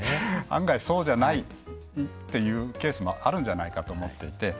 案外そうじゃないっていうケースもあるんじゃないかと思っていて。